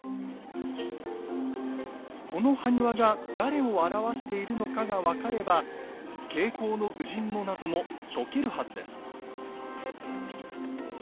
この埴輪が誰を表しているのかが分かれば「挂甲の武人」の謎も解けるはずです。